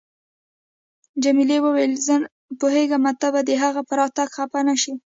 جميلې وويل: زه پوهیږم ته به د هغې په راتګ خفه نه شې.